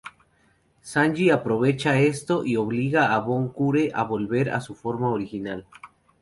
Sanji aprovecha esto y obliga a Bon Kure a volver a su forma original.